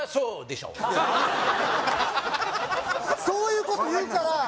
そういうこと言うから！